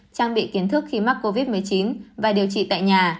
trang bị kiến thức khi mắc covid một mươi chín và điều trị tại nhà